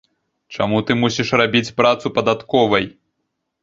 Чаму ты мусіш рабіць працу падатковай?!